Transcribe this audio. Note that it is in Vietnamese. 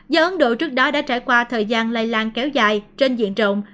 do ấn độ trước đó đã trải qua thời gian lây lan kéo dài trên diện rộng